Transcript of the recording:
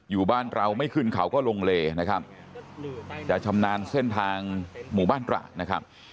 อยู่บ้านเตราวไม่ขึ้นเขาก็ลงเลจัดชำนาญเส้นทางหมู่บ้านรา